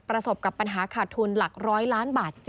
ประสบกับปัญหาขาดทุนหลัก๑๐๐ล้านบาท